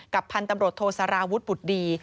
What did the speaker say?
พันธุ์ตำรวจโทสาราวุฒิบุตรดี